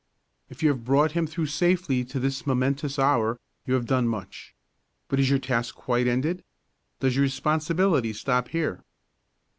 If you have brought him through safely to this momentous hour, you have done much. But is your task quite ended? Does your responsibility stop here?